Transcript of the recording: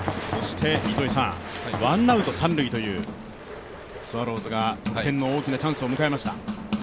ワンアウト三塁という、スワローズが得点の大きなチャンスを迎えました。